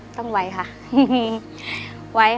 ต้องไวแต่หนัก